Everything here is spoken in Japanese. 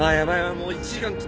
もう１時間切った。